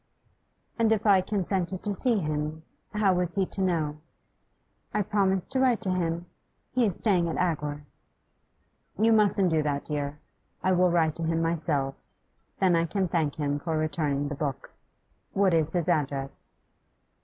'And if I consented to see him, how was he to know?' 'I promised to write to him. He is staying at Agworth.' 'You mustn't do that, dear. I will write to him myself, then I can thank him for returning the book. What is his address?